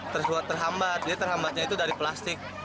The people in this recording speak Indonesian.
terhambatnya itu dari plastik